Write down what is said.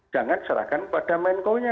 jangan serahkan kepada menkonya